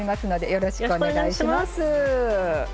よろしくお願いします。